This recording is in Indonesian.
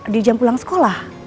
di jam pulang sekolah